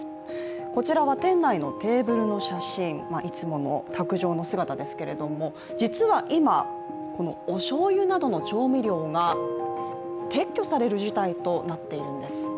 こちらは店内のテーブルの写真、いつもの卓上の姿ですけれども、実は今、このおしょうゆなどの調味料が撤去される事態となっているんです。